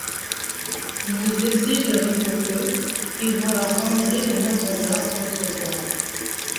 Vous exigerez pour eux et vous leur rendrez les mêmes honneurs qu'autrefois.